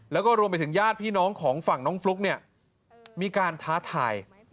แล้วก็รวมไปถึงญาติพี่น้องของฝั่งน้องฟลุ๊กเนี่ยมีการท้าทาย